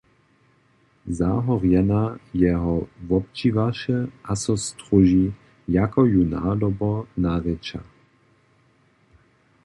Zahorjena jeho wobdźiwaše a so stróži, jako ju nadobo narěča: